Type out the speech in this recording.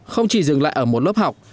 không chỉ dừng lại ở một lớp học